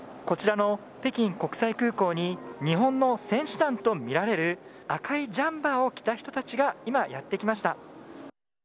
こちらの北京国際空港に日本の選手団とみられる赤いジャンパーを着た人たちが今、やってきました。